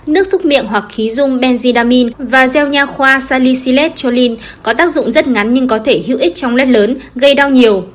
nước xúc miệng hoặc khí dung benzidamine và gel nha khoa salicylate choline có tác dụng rất ngắn nhưng có thể hữu ích trong lết lớn gây đau nhiều